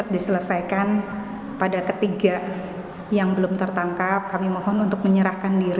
di sebelah mana bu duduknya